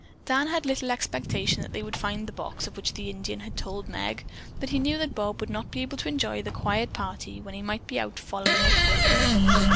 Dan had little expectation that they would find the box of which the old Indian had told Meg, but he knew that Bob would not be able to enjoy the quiet party when be might be out following a clue.